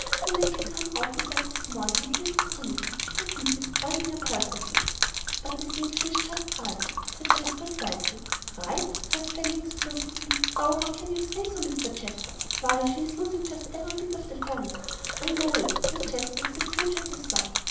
Do make her come out with us this morning, and listen to reason," she repeated, winding up helplessly. "But I think she is just right," said Jasper, stoutly. "Right!" cried Fanny, explosively; "oh, how can you say so, Mr. Jasper! Why, she is losing just every bit of the fun." "I know it," said Jasper, with a twinge at the thought.